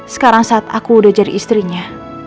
sekarang saat aku udah jadi istrinya